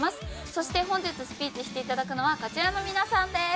そして本日スピーチしていただくのはこちらの皆さんです。